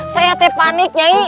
saya panik nyai